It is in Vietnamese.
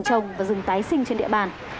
trồng và rừng tái sinh trên địa bàn